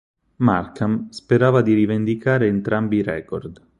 Markham sperava di rivendicare entrambi i record.